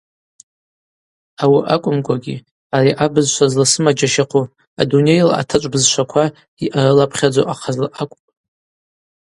Ауи акӏвымкӏвагьи ари абызшва зласымаджьащахъву адунейла атачӏв бызшваква йъарылапхьадзу ахъазла акӏвпӏ.